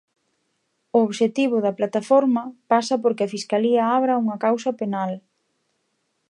O obxectivo da plataforma pasa por que a Fiscalía abra unha causa penal.